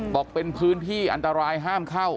บอกเป็นพื้นที่อันตรายห้ามเข้า